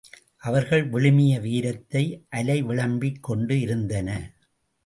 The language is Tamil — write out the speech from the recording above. அவர்கள் விழுமிய வீரத்தை அலை விளம்பிக் கொண்டு இருந்தன.